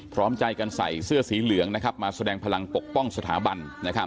พร้อมใจกันใส่เสื้อสีเหลืองมาแสดงพลังปกป้องสถาบัน